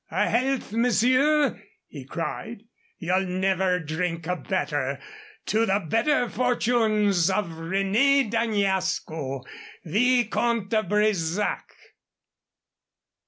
"A health, monsieur!" he cried. "You'll never drink a better. To the better fortunes of René d'Añasco, Vicomte de Bresac!"